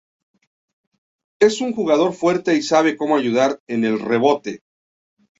Es un jugador fuerte y sabe cómo ayudar en el rebote.